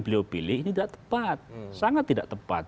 ini tidak tepat sangat tidak tepat